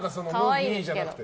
麦じゃなくて。